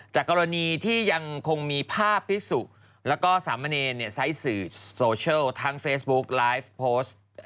กรณีที่ยังคงมีภาพพิสุแล้วก็สามเณรใช้สื่อโซเชียลทั้งเฟซบุ๊กไลฟ์โพสต์